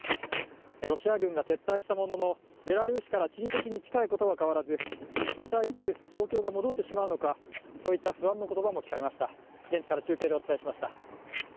ロシア軍が撤退したものの、ベラルーシから地理的に近いことは変わらず、またいつ状況が戻ってしまうのかそういった不安の言葉も聞かれました。